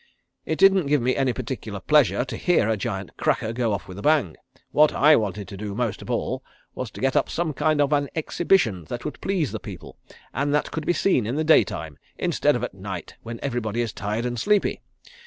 It didn't give me any particular pleasure to hear a giant cracker go off with a bang. What I wanted to do most of all was to get up some kind of an exhibition that would please the people and that could be seen in the day time instead of at night when everybody is tired and sleepy.